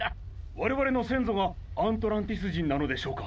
われわれのせんぞがアントランティスじんなのでしょうか？